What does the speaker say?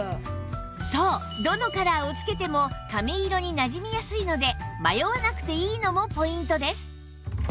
そうどのカラーを着けても髪色になじみやすいので迷わなくていいのもポイントです